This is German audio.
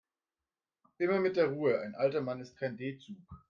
Immer mit der Ruhe, ein alter Mann ist kein D-Zug.